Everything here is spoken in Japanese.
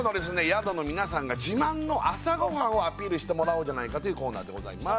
宿の皆さんが自慢の朝ごはんをアピールしてもらおうじゃないかというコーナーでございます